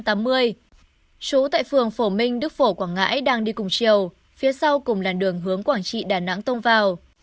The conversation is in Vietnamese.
trú tại phường phổ minh đức phổ quảng ngãi đang đi cùng chiều phía sau cùng làn đường hướng quảng trị đà nẵng tông vào